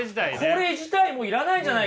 これ自体もう要らないんじゃないか。